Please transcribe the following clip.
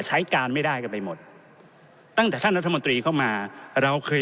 ใช้การไม่ได้กันไปหมดตั้งแต่ท่านรัฐมนตรีเข้ามาเราเคย